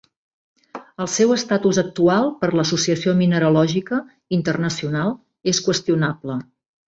El seu estatus actual per l'Associació Mineralògica Internacional és qüestionable.